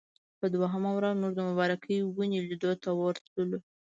په دویمه ورځ موږ د مبارکې ونې لیدلو ته ورتللو.